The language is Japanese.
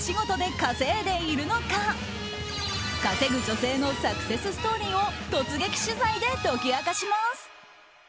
稼ぐ女性のサクセスストーリーを突撃取材で解き明かします。